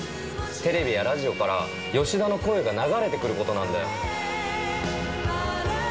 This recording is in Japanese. テレビやラジオから吉田の声が流れてくることなんだよ。